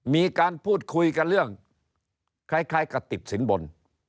มีการพูดคุยกันเรื่องคล้ายกับติดสินบน